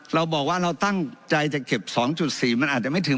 เราบอกว่าเราตั้งใจจะเก็บ๒๔มันอาจจะไม่ถึง